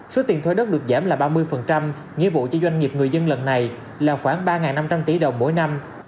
số tiền thuế đất được giảm là ba mươi nghĩa vụ cho doanh nghiệp người dân lần này là khoảng ba năm trăm linh tỷ đồng mỗi năm